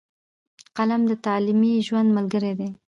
قلم د تعلیمي ژوند ملګری دی.